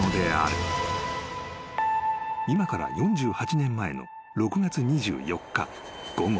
［今から４８年前の６月２４日午後］